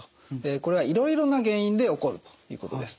これはいろいろな原因で起こるということです。